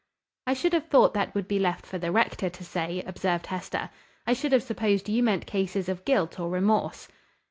"I should have thought that would be left for the rector to say," observed Hester. "I should have supposed you meant cases of guilt or remorse."